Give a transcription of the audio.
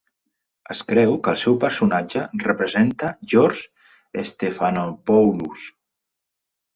Es creu que el seu personatge representa George Stephanopoulos.